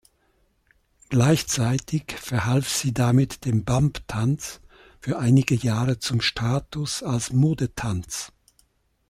Gleichzeitig verhalf sie damit dem Bump-Tanz für einige Jahre zum Status als Modetanz.